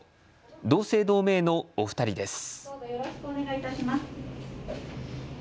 同姓同名のお二人です。